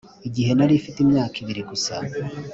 igihe nari mfite imyaka ibiri gusa,